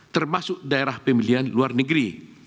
termasuk daerah pemilihan luar negeri